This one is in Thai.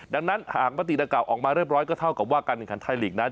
ดังนั้นหากมติดังกล่าออกมาเรียบร้อยก็เท่ากับว่าการแข่งขันไทยลีกนั้น